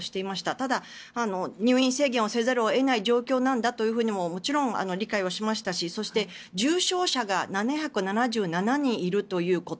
ただ、入院制限をせざるを得ない状況なんだとももちろん理解しましたしそして重症者が７７７人いるということ。